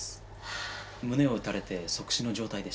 胸を撃たれて即死の状態でした。